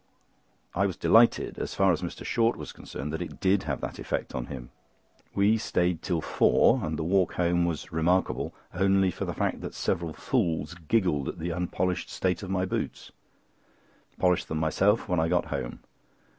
I was delighted, as far as Mr. Short was concerned, that it did have that effect on him. We stayed till four, and the walk home was remarkable only for the fact that several fools giggled at the unpolished state of my boots. Polished them myself when I got home.